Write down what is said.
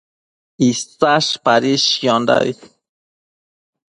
Isash padishquiondabi